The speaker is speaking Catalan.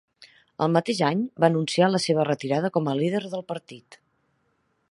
El mateix any, va anunciar la seva retirada com a líder del partit.